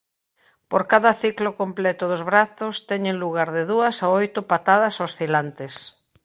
Por cada ciclo completo dos brazos teñen lugar de dúas a oito patadas oscilantes.